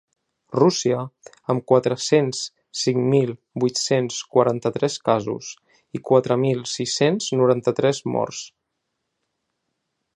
Rússia, amb quatre-cents cinc mil vuit-cents quaranta-tres casos i quatre mil sis-cents noranta-tres morts.